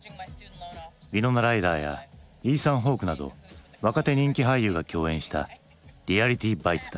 ウィノナ・ライダーやイーサン・ホークなど若手人気俳優が共演した「リアリティ・バイツ」だ。